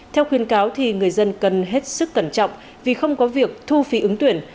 theo khuyên cáo thì người dân cần hết sức cẩn trọng vì không có việc thu phí ứng tuyển